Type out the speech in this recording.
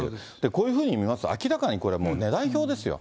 こういうふうに見ますと、明らかにこれもう、値段表ですよ。